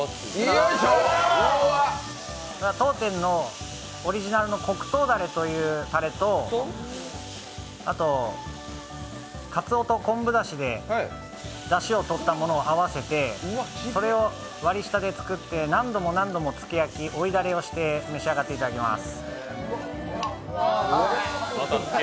当店のオリジナルの黒糖だれというたれと、あとかつおと昆布だしでだしを取ったものを合わせてそれを割り下で作って何度も何度も付け焼き、追いダレをして召し上がっていただきます。